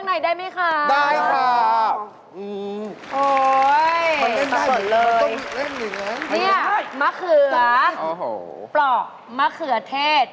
เฮ้ยมะเขือม่วงไหว้ดิ